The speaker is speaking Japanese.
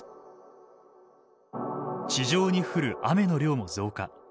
地上に降る雨の量も増加。